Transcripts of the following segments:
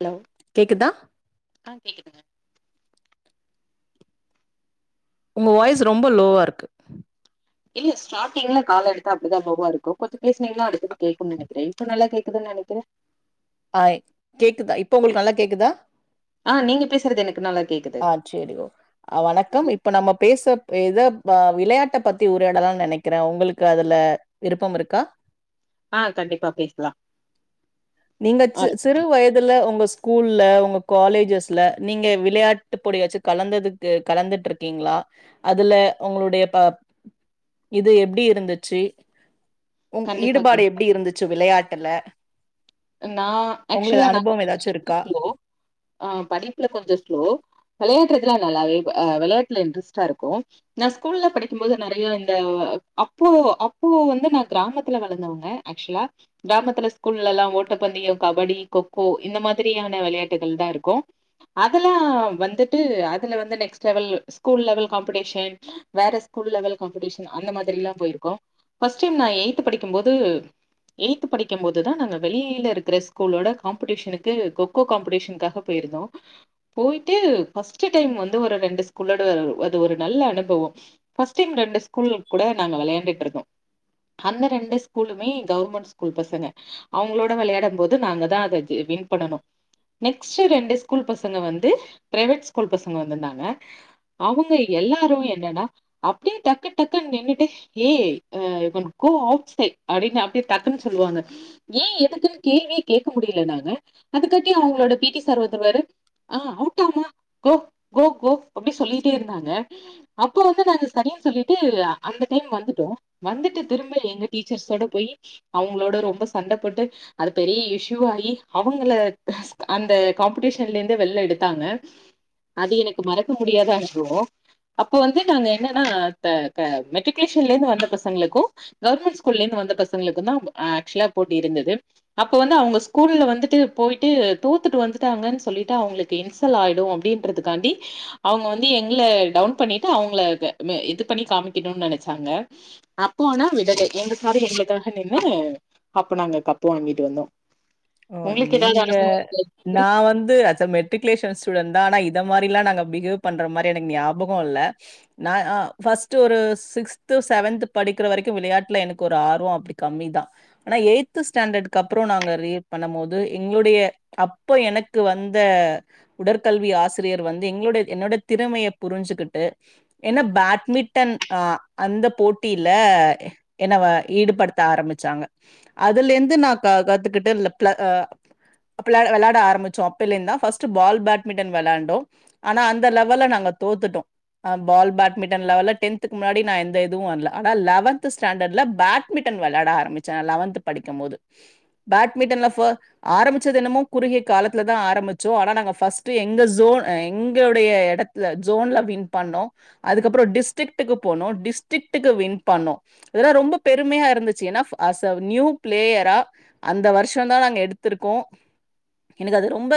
Hello கேக்குதா ஆ கேக்குதுங்க உங்க வாய்ஸ் ரொம்ப லோவா இருக்கு இல்ல ஸ்டார்டிங்ல கால் எடுத்தா அப்படிதா லோவா இருக்கு கொஞ்சோ பேசுனீங்கனா அடுத்தது கேக்குன் நினைக்கிற இப்ப நல்லா கேக்குதுன் நனைக்கிற ஆய் கேக்குதா இப்ப உங்களுக்கு நல்லா கேக்குதா ஆ நீங்க பேசுறது எனக்கு நல்லா கேக்குது ஆ சேரி ஓக் வணக்கம் இப்ப நம்ம பேச இதோ விளையாட்ட பத்தி உரையடலான் நனைக்கிற உங்களுக்கு அதுல விருப்பம் இருக்கா ஆ கண்டிப்பா பேசலா நீங்க ஆ சி சிறு வயதுல ஒங்க ஸ்கூல்ல உங்க காலேஜஸ்ல நீங்க விளையாட்டு பொடியாச்சு கலந்ததுக்கு கலந்துட்டு இருக்கீங்ளா அதுல உங்களுடைய ப இது எப்டி இருந்துச்சி உங் கண்டிப்பா ஈடுபாடு கண்டிப்பா எப்டி இருந்துச்சு விளையாட்டுல நா உங்களுக்கு அக்சுவலா நா அனுபவம் கொஞ்சோ ஏதாச்சு வெரி வெரி இருக்கா ஸ்லோ ஆ படிப்புல கொஞ்சோ ஸ்லோ விளையாட்டுறதுலா நல்லாவே விளையாட்டுல இன்ட்ரஸ்டா இருக்கு நா ஸ்கூல்ல படிக்கும் போது நறையா இந்த அப்போ அப்போ வந்து நா கிராமத்துல வளந்தவங்க அக்சுலா கிராமத்துல ஸ்கூல்லல்லா ஓ ஓட்டப்பந்தயம் கபடி கொக்கோ இந்த மாதிரியான விளையாட்டுகள் தா இருக்கு அதெல்லா வந்துட்டு அதுல வந்து next level school level competition வேற ஸ்கூல் லெவல் காம்படிஷன் அந்த மாதிரி எல்லா போயிருக்கோம் ஃபர்ஸ்ட் டைம் நா எயித் படிக்கும் போது எயி்த் படிக்கும் போது தா நாங்க வெளியயே ளில இருக்கிற ஸ்கூலோட காம்படிஷனுக்கு கொக்கோ காம்படிஷனுக்காக போயிருந்தோ போயிட்டு ஃபர்ஸ்ட் டைம் வந்து ஒரு ரெண்டு ஸ்கூல்லோட அது ஒரு நல்ல அனுபவம் ஃபர்ஸ் டைம் ரெண்டு ஸ்கூல் கூட நாங்க விளையாண்டுட்டு இருந்தோ அந்த ரெண்டு ஸ்கூலுமே கவர்மெண்ட் ஸ்கூல் பசங்க அவங்களோ விளையாடும் போது நாங்க தா அத வின் பண்ணனு நெக்ஸ்ட் ரெண்டு ஸ்கூல் பசங்க வந்து பிரைவேட் ஸ்கூல் பசங்க வந்திருந்தாங்க அவங்க எல்லாரு என்னனா அப்டியே டக்கு டக்குன் நின்னுட்டு ஏ கோ அவுட் சைட் அப்டின் டக்குன் சொல்லுவாங்க ஏ எதுக் குன் கேள்வியே கேட்க முடியல நாங்க அது காட்டி அவங்களோட பி டி சார் வந்துருவாரு ஆ அவுட்டாம்மா கோ கோ கோ அப்டி சொல்லிட்டே இருந்தாங்க அப்பற வந்து நாங்க சரின் சொல்லிட்டு அந்த டைம் வந்துட்டோ வந்துட்டு திரும்ப எங்க டீச்சர்ஸோட போய் அவங்களோட ரொம்ப சண்ட போட்டு அது பெரிய இஷ்யூ ஆகி அவங்கள அந்த காம்படிஷன்ல இருந்து வெளில எடுத்தாங்க அது எனக்கு மறக்க முடியாதா அனுபவ அப்ப வந்து நாங்க என்னன்னா த க மெட்ரிகுலேஷன்ல இருந்து வந்த பசங்களுக்கு கவர்மெண்ட் ஸ்கூல்ல இருந்து வந்த பசங்களுக்கு தா ஆக்சுவலா போட்டி இருந்தது அப்ப வந்து அவங்க ஸ்கூல்ல வந்துட்டு போயிட்டு தோத்துட்டு வந்துட்டாங்கன் சொல்லிட்டு அவங்களுக்கு இன் சல் ஆயிடும் அப்டின்றதுக்காண்டி அவங்க வந்து எங்கள டவுன் பண்ணிட்டு அவங்க இது பண்ணி காமிக்கணு நெனச்சாங்க அப்போ ஆனா விடல எங்க சார் எங்களுக்காக நின்னு அப்பு நாங்க கப்பு வாங்கிட்டு வந்தோ ஓ உங்களுக்கு ஏதாவது நீங்க அனுபவம் இருக்கு? நா வந்து மெட்ரிகுலேஷன் ஸ்டூடண்ட் தா ஆனா இத மாரிலா நாங்க பிஹேவ் பண்ற மாரி எனக்கு ஞாபகம் இல்ல நா ஃபர்ஸ்ட் ஒரு சிக்ஸ்து செவன்த் படிக்கிற வரைக்கு விளையாட்டுல எனக்கு ஒரு ஆர்வம் அப்படி கம்மிதா ஆனா எயி்த் ஸ்டாண்டர்டுக் அப்புறம் நாங்க பண்ணும்போது எங்களுடைய அப்ப எனக்கு வந்த உடற்கல்வி ஆசிரியர் வந்து எங்களோட என்னோட திறமைய புரிஞ்சுகிட்டு என்ன பேட்மிண்டன் அந்த போட்டில என்ன வ ஈடுபடுத்த ஆரம்பிச்சாங்க அதுல இருந்து நான் க கத்துக்கிட்டு ள வெளையாட ஆரம்பிச்சோ அப்பலந்து தா ஃபர்ஸ்ட் பால் பேட்மிண்டன் வெளாண்டோ ஆனா அந்த லெவல நாங்க தோத்துட்டோ பால் பேட்மிண்டன் லெவல டென்துக்கு முன்னாடி நா எந்த எதுவு வரல ஆனா லெவன்த் ஸாண்டர்ட்ல பேட் பேட்மிடன் வெளையாட ஆரம்பிச்சே நா லெவன்த் படிக்கும் போது பேட்மிண்டன்ல ஃப ஆரம்பிச்சது என்னமோ குறுகிய காலத்துல தா ஆரம்பிச்சோ ஆனா நாங்கஃபஸ்ட் எங்க ஜோன் எங்களுடைய எடத் த ஜோன்ல வின் பண்ணோ அதுக்கப்பற டிஸ்டரிக்டுக்கு போனோ டிஸ்டரிக்டுக்கு வின் பண்ணோ இதெல்லா ரொம்ப பெருமையா இருந்துச்சு ஏனா அஸ் அ நியூ பிளேயரா அந்த வருஷ ஷந்தா நாங்க எடுத்திருக்கோ எனக்கு அது ரொம்ப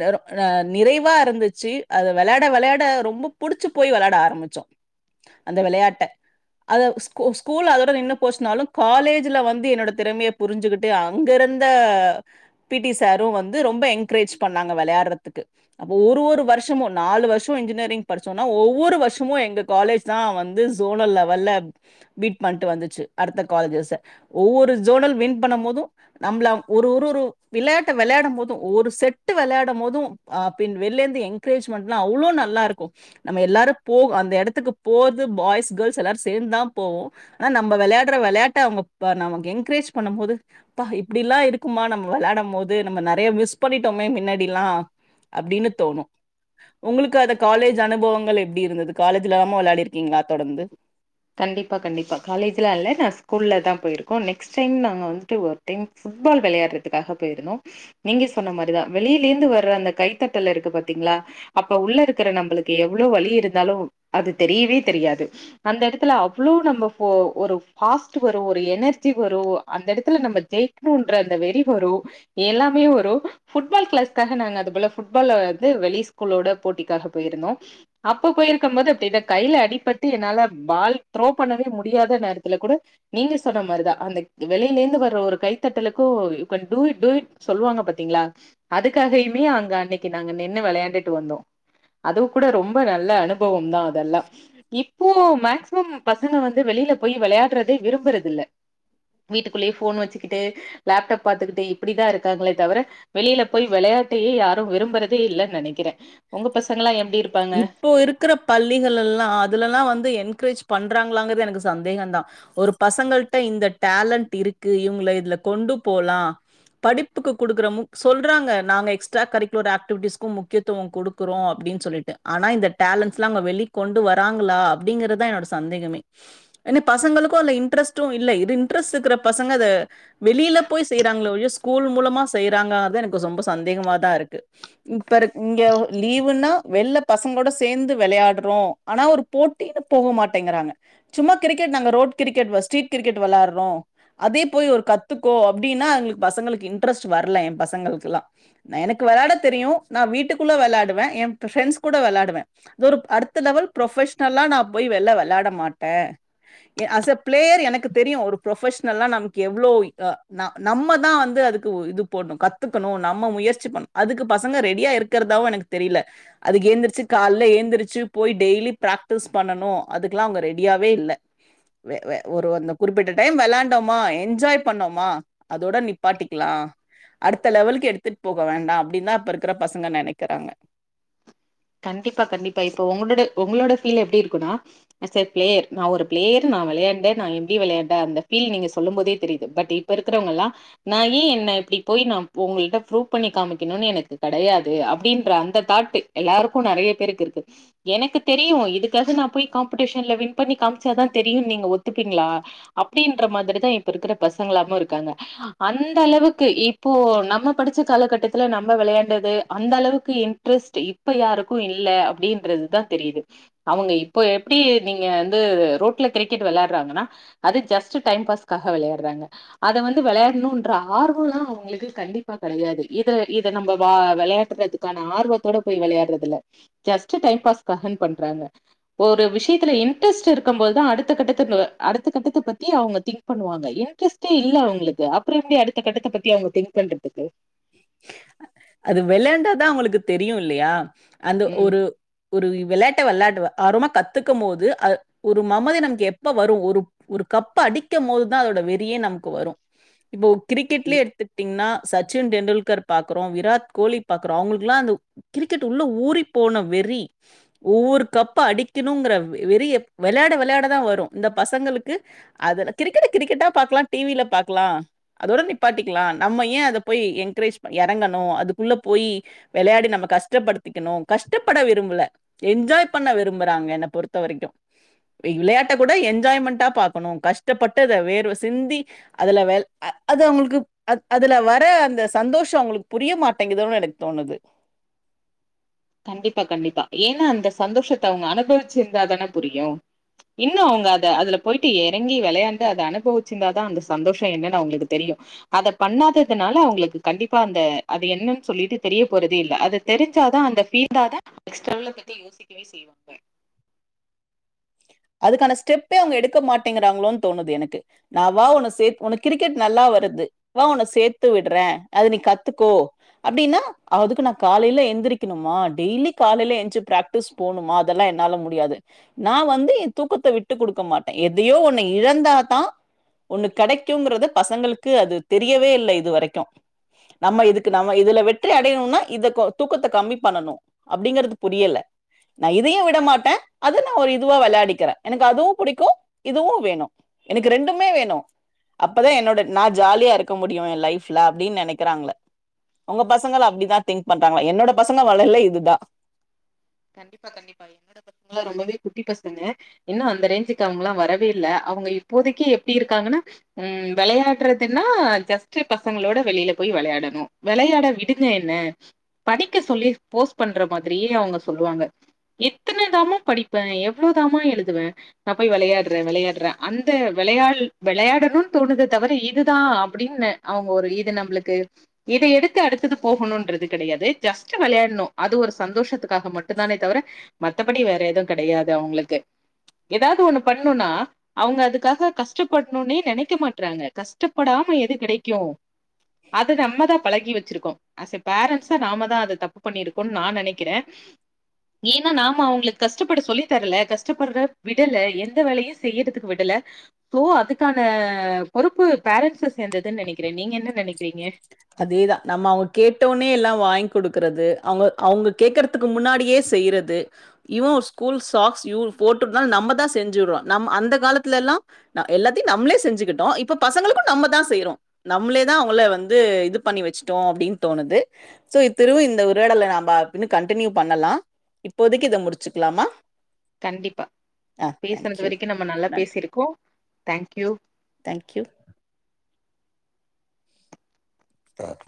நர ந நிறைவா இருந்துச்சு அத வெளையாட வெளையாட ரொம்ப புடிச்சு போயி வெளையாட ஆரம்பிச்சோ அந்த வெளையாட்ட அத ஸ்கூ ஸ்கூல் அதோட நின்னு போச்சுனாலு காலேஜ்ல வந்து என்னோட திறமைய புரிஞ்சுகிட்டு அங்க இருந்த பீட்டீ சாரு வந்து ரொம்ப என்கரேஜ் பண்ணாங்க வெளையாட்றதுக்கு அப்ப ஒரு ஒரு வர்ஷமு நாலு வர்ஷோ இன்ஜினியரிங் படிச்சோன்னா ஒவ்வொரு வர்ஷமு எங்க காலேஜ் தா வந்து சோனல் லெவல்ல வின் பண்ட்டு வந்துச்சு அடுத்த காலேஜஸ்ஸ ஒவ்வொரு ஜோனல் வின் பண்ணம்போது நம்ள ஒரு ஊரு விளாட்ட வெளாடும்போது ஒரு செட்டு வெளாடும்போது அ பின் வெள்ளேந்து எ என்க்ரேஜ்மன்ட்லா அவ்ளோ நல்லார்க்கு நம்ம எல்லாரு போ அந்த எடத்துக்கு போது பாய்ஸ் கேர்ள்ஸ் எல்லாரு சேந்து தா போவோ ஆனா நம்ப வெளையாட்ற வெளையாட்ட அவுங்க ப நமக் என்க்ரேஜ் பண்ணும்போது ப்பா இப்டிலா இருக்குமா நம்ம வெள்ளாடம்போது நம்ம நிறைய மிஸ் பண்ணிட்டோமே மின்னாடிலா அப்டின்னு தோணு உங்குளுக்கு அது காலேஜ் அனுபவங்கள் எப்டி இருந்துது காலேஜ்லாமா வெளாடிருக்கீங்களா தொடர்ந்து கண்டிப்பா கண்டிப்பா காலேஜ்லா இல்ல நா ஸ்கூல்ல தா போயிருக்கோ நெக்ஸ்ட் டைம் நாங்க வந்துட்டு ஒர்க் டிம் ஃபுட்பால் வெளயாட்றதுக்காக போயிருந்தோ நீங்க சொன்ன மாரிதா வெளிலேந்து வர்ற அந்த கைத்தட்டல் இருக்கு பாத்தீங்ளா அப்ப உள்ள இருக்குற நம்புளுக்கு எவ்ளோ வலி இருந்தாலு அது தெரியவே தெரியாது அந்த எடத் த்துல அவ்ளோ நம்ப ப்போ ஒரு ஃபாஸ்ட் வரு ஒரு எனர்ஜி வரு அந்த எடத்துல நம்ம ஜெய் ப்போன்ற அந்த வெறி வரு எல்லாமே வரு ஃபுட்பால் கிளாஸ்காக நாங்க அது போல ஃபுட்பால் வந்து வெளி ஸ்கூலோட போட்டிக்காக பேயிருந்தோ அப்ப போயிருக்கும்போது அப்டி தா கைல அடிப்பட்டு என்னால பால் த்ரோ பண்ணவே முடியாத நேரத்துல கூட நீங்க சொன்ன மாரிதா அந்த வெளிலேந்து வர்ற ஒரு கைத்தட்டலுக்கு க you can do it do it சொல்வாங்க பாத்தீங்ளா அதுக்காகையுமே அங்க அன்னைக்கி நாங்க நின்னு வெளையாண்டுட்டு வந்தோ அதுவு கூட ரொம்ப நல்ல அனுபவம் தா அதெல்லா இப்போ மேக்ஸ் கும் பசங்க வந்து வெளில போய் வெளயாடுறதே விரும்புறது இல்ல வீட்டுக்குள்ளே ஃபோன் வச்சுக்கிட்டு லேப்டாப் பாத்துக்கிட்டு இப்டிதா இருக்காங்களே தவர வெளில போயி வெளயாட்டையே யாரு விரும்புறதே இல்லன்னு நெனைக்கிறே உங்க பசங்கல்லா எப்டி இருப்பாங்க க்கு ற பள்ளிகளலா அதுலல்லா வந்து என்க்கரேஜ் பண்றாங்களாங்றது எனக்கு சந்தேகந்தா ஒரு பசங்கள்ட்ட இந்த டேலண்ட் இருக்கு இவுங்கள இதுல கொண்டு போலா படிப்புக்கு குடுக்கற முக் சொல்றாங்க நாங்க எக்ஸ்ட்ரா கரிக்குலர் ஆக்டிவிட்டிஸ்க்கு முக்கியத் துவோ குடுக்குறோ அப்டின்னு சொல்லிட்டு ஆனா இந்த டேலண்ட்ஸ்லா அங்க வெளிக் கொண்டு வராங்ளா அப்டிங்கறதா என்னோட சந்தேகமே ஏன பசங்களுக்கு அதுல இன்ட்ரஸ்ட்டு இல்ல இது இன்ட்ரஸ்ட் இருக்குற பசங்க அத வெளில போய் செய்றாங்ளே ஒழிய ஸ்கூல் மூலமா செய்றாங்களாங்றது எனக்கு ரொம்ப சந்தேகமாதா இருக்கு இப்பருக் இங்க லீவுன்னா வெள்ள பசங்களோட சேந்து வெளயாட்றோ ஆனா ஒரு போட் டின்னு போக மாட்டேங்குறாங்க சும்மா கிரிக்கெட் நாங்க ரோட் கிரிக்கெட் ஸ்ட்ரீட் கிரிக்கெட் வெள்ளாட்றோ அதே போயி ஒரு கத்துக்கோ அப்டின்னா எங் பசங்களுக்கு இன்ட்ரெஸ்ட் வர்ல ஏன் பசங்களுக்குலா ன எனக்கு வெளாட தெரியு நா வீட்டுக்குள்ள வெளாடுவே ஏன் ஃப்ரெண்ட்ஸ் கூட வெளாடுவே அது ஒரு அடுத்த லெவல் ப்ரொஃபஷனல்லா நா போயி வெள்ள வெள்ளாட மாட்டே ஏ அஸ் அ பிளேயர் எனக்கு தெரியு ஒரு ப்ரொஃபஷனல்லா நமக்கு எவ்ளோ இங்க நா நம்ம தா வந்து அதுக்கு இது போட்ணு கத்துக்கணு நம்ம முயற்சி பண்ணு அதுக்கு பசங்க ரெடி டியா இருக்குறதாவு எனக்கு தெரில அதுக்கு ஏந்திரிச்சு கால்ல ஏந்திரிச்சு போயி டெய்லி பிராக்டிஸ் பண்ணனு அதுக்லா அவுங்க ரெடியாவே இல்ல வே வ ஒரு அந்த குறிப்பிட்ட டைம் வெள்ளாண்டோமா என்ஜாய் பண்ணோமா அதோட நிப்பாட்டிக்லா அடுத்த லெவலுக்கு எடுத்துட் போக வேண்டா அப்டின் தா இப்பருக் க்குற பசங்க நெனைக்கறாங்க கண்டிப்பா கண்டிப்பா இப்ப ஒங்கடோட ஒங்களோட ஃபீல் எப்டி இருக்குனா அஸ் அ ப்ளேயர் நா ஒரு ப்ளேயர் நா விளையாண்ட நா எப்புடி விளையாண்ட அந்த ஃபீல் நீங்க சொல்லும் போதே தெரியுது பட் இட் இப்ப இருக்குறவுங்கல்லாம் நா ஏன் என்ன இப்படி போய் நா உங்கள்ட்ட ப்ரூவ் பண்ணி காமிக்கணும்னு எனக்கு கிடையாது அப்படின்ற அந்த தாட்டு எல்லாருக்கும் நிறைய பேருக்கு இருக்கு எனக்கு தெரியும் இதுக்காக நான் போய் காம்படிஷன்ல வின் பண்ணி காமிச்சாதான் தெரியும்னு நீங்க ஒத்துப்பீங்களா அப்படின்ற மாதிரிதான் இப்ப இருக்குற பசங்களாமு இருக்காங்க அந்த அளவுக்கு இப்போ நம்ம படிச்ச காலகட்டத்துல நம்ம விளையாண்டது அந்த அளவுக்கு டிவிஸ்ட் இப்ப யாருக்கும் இல்ல அப்படின்றது தான் தெரியுது அவுங்க இப்போ எப்படி நீங்க வந்து ரோட்ல கிரிக்கெட் விளையாடுறாங்கன்னா அது ஜஸ்ட் டைம் பாஸ்காக விளையாடுறாங்க அதை வந்து விளையாடணும்ன்ற ஆர்வம்ல்லாம் அவுங்களுக்கு கண்டிப்பா கிடையாது இத இதை நம்ம வா விளையாடுறதுக்கு க்கான ஆர்வத்தோட போய் விளையாடுறதுல்ல ஜஸ் டை பாஸ்க்காக போய் பண்றாங்க ஒரு விஷயத்துல இன்ட்ரெஸ்ட் இருக்கும் போதுதான் அடுத்த கட்டத்துக்குள்ள அடுத்த கட்டத்தை பத்தி அவுங்க திங்க் பண்ணுவாங்க இன்ட்ரெஸ்ட்டே இல்ல அவுங்களுக்கு அப்புறமே அடுத்த கட்டத்த பத்தி அவுங்க திங்க் பண்றதுக்கு அது விளையாண்டாதான் அவுங்களுக்கு தெரியும் இல்லையா அந்த ம் ஒரு ஒரு விளையாட்ட விளையாண்ட்டு ஆர்வமா கத்துக்கும் போது அ ஒரு மமதி நமக்கு எப்ப வரும் ஒரு ஒரு கப்ப அடிக்கும் போதுதான் அதோட வெறியே நமக்கு வரும் இப்போ கிரிக்கெட்லயே எடுத்துக்கிட்டீங்கன்னா சச்சின் டெண்டுல்கர் பாக்குறோ விராட் கோலி பாக்குறோ அவுங்களுக்குலா அந்த கிரிக்கெட் உள்ள ஊறி போன வெறி ஒவ்வொரு கப் அடிக்கிணுங்குற வெறி வெளையாட வெளையாடதான் வரும் இந்த பசங்களுக்கு அதுல கிரிக்கெட்ட கிரிக்கெட்டா பாக்கலா டிவியில பாக்கலா அதோட நிப்பாட்டிக்கலா நம்ம ஏன் அத போய் என்க்ரேஜ் பண் எறங்கணு அதுக்குள்ள போயீ வெளையாடி நம்ம கஷ்டப்படுத்திக்கணு கஷ்டப்பட விரும்பல என்ஜாய் பண்ண விரும்புறாங்க என்ன பொறுத்த வரைக்கு விளையாட்ட கூட என்ஜாய்மெண்டா பாக்கணும் கஷ்டப்பட்டு அதை வேர்வை சிந்தி அதுல வே அது அவுங்களுக்கு அதுல வர ர்ற அந்த சந்தோஷம் அவுங்களுக்கு புரிய மாட்டேங்குது எனக்கு தோணுது கண்டிப்பா கண்டிப்பா ஏன்னா அந்த சந்தோஷத்த அவுங்க அனுபவிச்சிருந்தா தான புரியும் இன்னும் அவுங்க அதை அதுல போயிட்டு இறங்கி விளையாண்டு அதை அனுபவிச்சிருந்தாதா அந்த சந்தோஷம் என்னன்னு அவுங்களுக்கு தெரியும் அத பண்ணாததுனால அவுங்களுக்கு கண்டிப்பா அந்த அது என்னன்னு சொல்லிட்டு தெரிய போறதே இல்ல அதை தெரிஞ்சாதான் அந்த ஹீட் ஆதா ஸ்கிரில்ல பத்தி யோசிக்கவே செய்வாங்க அதுக்கான ஸ்டெப்பே அவுங்க எடுக்க மாட்டேங்கிறாங்களோன்னு தோணுது எனக்கு நா வா உன்ன சேர் உனக்கு கிரிக்கெட் நல்லா வருது வா உன்ன சேர்த்து விடுறேன் அத நீ கத்துக்கோ அப்படின்னா அதுக்கு நா காலையில எழுந்திரக்கணுமா டெய்லி காலையில எஞ்ச்சு பிராக்டி டிஸ் போனுமா அதெல்லாம் என்னால முடியாது நா வந்து தூக்கத்த விட்டு கொடுக்க மாட்டேன் எதையோ ஒண்ணு இழந்தாதான் ஒண்ணு கிடைக்கும்ங்குறது பசங்களுக்கு அது தெரியவே இல்ல இது வரைக்கும் நம்ம இதுக்கு நம்ம இதுல வெற்றி அடையணும்னா இத தூக்கத்த கம்மி பண்ணணும் அப்படிங்கிறது புரியல நா இதையும் விட மாட்டேன் அதை நா ஒரு இதுவா விளையாடி க்கிறேன் எனக்கு அதுவும் பிடிக்கும் இதுவும் வேணும் எனக்கு ரெண்டுமே வேணும் அப்பதா என்னோட நான் ஜாலியா இருக்க முடியும் என் லைப்ல அப்படின்னு நினைக்கிறாங்க உங்க பசங்களா அப்படிதான் திங்க் பண்றாங்களா என்னோட பசங்க வளர்ல இதுதான் கண்டிப்பா கண்டிப்பா என்னோட பசங்களா ரொம்பவே குட்டி பசங்க இன்னு அந்த ரேஞ்சுக்கு அவங்கல்லா வரவே இல்ல அவுங்க இப்போதைக்கு எப்டி இருக்காங்கனா ம் வெளையாட்றதுனா ஜஸ்ட் பசங்களோட வெளியில போய் வெளையாடனு வெளையாட விடுங்க என்ன படிக்க சொல்லி போஸ் பண்ற மாதிரியே அவுங்க சொல்லுவாங்க எத்தன தாம்மா படிப்பே எவ்ளே தாம்மா எழுதுவே நா போய் வெளையாட்றே வெளையாட்றே அந்த வெளையாள் வெளையாடணுன் தோணுதே தவர இதுதா அப்டின்னு அவுங்க ஒரு இது நம்பளுக்கு இத எடுத்து அடுத்தது போகணுன்றது கெடையாது ஜஸ்ட் வெளையாட்ணு அது ஒரு சந்தோஷத்து க்காக மட்டு தானே தவர மத்தபடி வேற எது கெடையாது அவுங்களுக்கு ஏதாவது ஒண்ணு பண்ணுனா அவுங்க அதுக்காக கஷ்டப்பட்ணுனே நெனைக்க மாட்றாங்க கஷ்டப்படாம எது கெடைக்கு அது நம்ம தா பழகி வச்சிருக்கோ ஆஸ பேரண்ஸா நாம தா அது தப்பு பண்ணிருக்கோன் நா நெனக்கிறே [inaudible] ஏனா நாம அவுங்களுக்கு கஷ்டப்பட சொல்லி தரல கஷ்டப்பட்ற விடல எந்த வேலையு செய்யறதுக்கு விடல சோ அதுக்கான பொறுப்பு பேரண்ட்ஸ சேந்ததுன் நெனக்கிறே நீங்க என்ன நெனக்கிறீங்க அதேதா நம்ம அவுங்க கேட்டவோனே எல்லா வாய்ங் குடுக்கறது அவுங்க அவுங்க கேக்கறத் துக்கு முன்னாடியே செய்யிறது இவ ஒரு ஸ்கூல் சாக்ஸ் யூ போட்டுட் தா நம்ம தா செஞ்சுட்றோ நமா அந்த காலத்துல எல்லா ந எல்லாத்தியு நம்ளே செஞ்சுக்கிட்டோ இப்ப பசங்களுக்கு நம்ம தா செய்றோ நம்ளே தா அவுங்கள வந் து இது பண்ணி வச்சிட்டோ அப்டின் தோணுது சோ இ திருவி இந்த உரையாடல நம்ப அப்பினு கன்டினியூ பண்ணலா இப்போதைக்கு இத முடிச்சுக்கலாமா கண்டிப்பா ஆ தேங்க் பேசனது யூ. வரைக்கு நம்ம நல்லா நன்றி. பேசிருக்கோ தேங்க்யூ தேங்க் யூ ஸ்டாட்